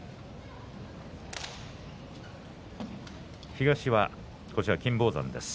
東は金峰山です。